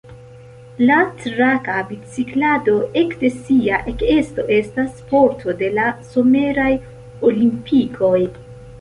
La traka biciklado ekde sia ekesto estas sporto de la Someraj Olimpikoj.